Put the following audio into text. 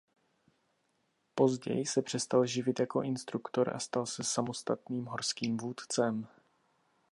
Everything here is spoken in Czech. Později se přestal živit jako instruktor a stal se samostatným horským vůdcem.